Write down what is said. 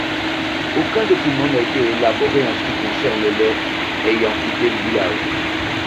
Aucun document n'a été élaboré en ce qui concerne les ayant quitté le village.